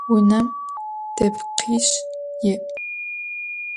Vunem depkhiş yi'.